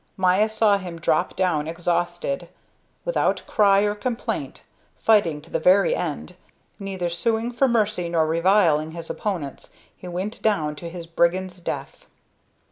Maya saw him drop down exhausted. Without cry or complaint, fighting to the very end, neither suing for mercy nor reviling his opponents, he went down to his brigand's death.